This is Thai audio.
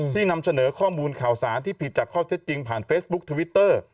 นำเสนอข้อมูลข่าวสารที่ผิดจากข้อเท็จจริงผ่านเฟซบุ๊คทวิตเตอร์